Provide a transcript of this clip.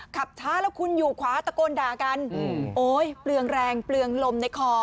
ขับช้าแล้วคุณอยู่ขวาตะโกนด่ากันโอ๊ยเปลืองแรงเปลืองลมในคอ